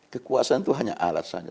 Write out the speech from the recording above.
kekuasaan itu hanya alat saja